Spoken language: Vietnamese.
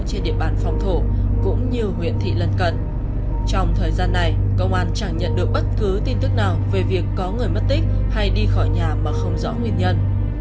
trong thời gian này công an chẳng nhận được bất cứ tin tức nào về việc có người mất tích hay đi khỏi nhà mà không rõ nguyên nhân